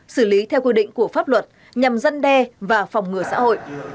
xử lý theo quy định của pháp luật nhằm dân đe và phòng ngừa xã hội